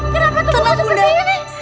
kenapa aku berhutang bersih ini